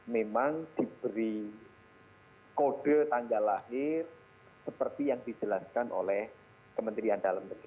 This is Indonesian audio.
memang diberi kode tanggal lahir seperti yang dijelaskan oleh kementerian dalam negeri